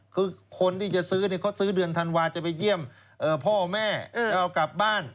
คือคนที่จะซื้อเขาซื้อเดือนธันวาจะไปเยี่ยมพ่อแม่จะเอากลับบ้าน